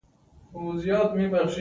ښه اورېدونکی، د ښه انسان نښه ده.